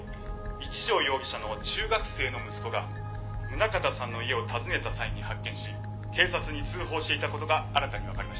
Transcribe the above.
一条容疑者の中学生の息子が宗像さんの家を訪ねた際に発見し警察に通報していた事が新たにわかりました」